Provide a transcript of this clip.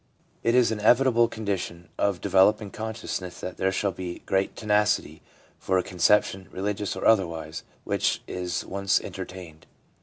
It is an inevitable condition of developing consciousness that there shall be great tenacity for a conception, religious or otherwise, which is once entertained.